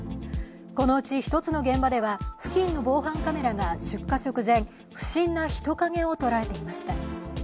このうち、１つの現場では付近の防犯カメラが出火直前、不審な人影をとらえていました。